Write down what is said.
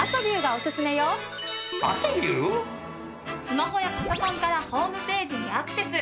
スマホやパソコンからホームページにアクセス。